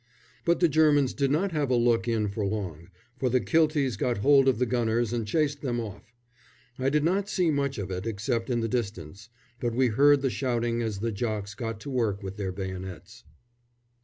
But the Germans did not have a look in for long, for the Kilties got hold of the gunners and chased them off. I did not see much of it, except in the distance; but we heard the shouting as the Jocks got to work with their bayonets.